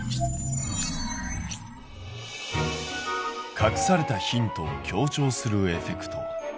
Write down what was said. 隠されたヒントを強調するエフェクト。